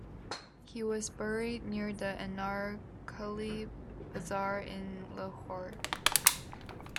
He was buried near the Anarkali Bazaar in Lahore.